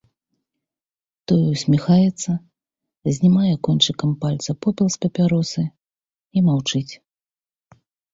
Той усміхаецца, знімае кончыкам пальца попел з папяросы і маўчыць.